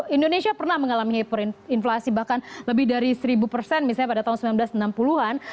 indonesia pernah mengalami inflasi bahkan lebih dari seribu persen misalnya pada tahun seribu sembilan ratus enam puluh an